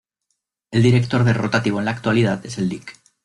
El director del rotativo en la actualidad es el Lic.